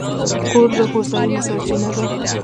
کور د هوساینې سرچینه ده.